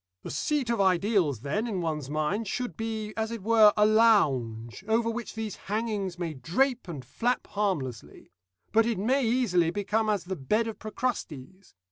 "The seat of ideals, then, in one's mind, should be, as it were, a lounge, over which these hangings may drape and flap harmlessly; but it may easily become as the bed of Procrustes.